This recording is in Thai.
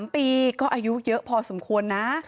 ๓ปีก็อายุเยอะพอสมควรนะ